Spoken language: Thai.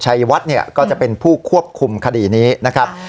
ชัยวัดเนี่ยก็จะเป็นผู้ควบคุมคดีนี้นะครับ